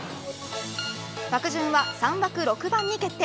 枠順は、３枠６番に決定。